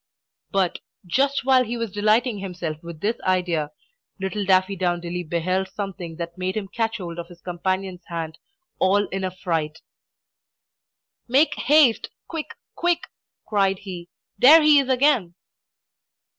But, just while he was delighting himself with this idea, little Daffydowndilly beheld something that made him catch hold of his companion's hand, all in a fright. "Make haste. Quick, quick!" cried he. "There he is again!"